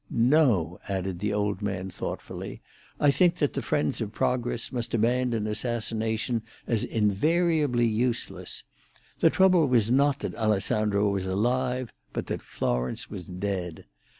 No," added the old man thoughtfully, "I think that the friends of progress must abandon assassination as invariably useless. The trouble was not that Alessandro was alive, but that Florence was dead.